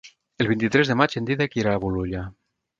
El vint-i-tres de maig en Dídac irà a Bolulla.